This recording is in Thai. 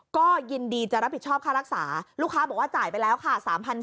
ก็ยินดีจะรับผิดชอบค่ารักษาลูกค้าบอกว่าจ่ายไปแล้วค่ะ